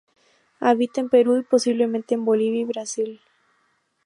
Habita en Perú y, posiblemente en Bolivia y Brasil.